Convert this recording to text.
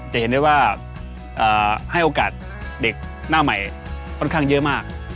จะเห็นได้ว่าให้โอกาสเด็กหน้าใหม่ค่อนข้างเยอะมาก